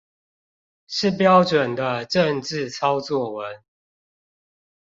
是標準的政治操作文